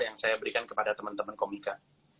yang saya berikan kepada temen temen komika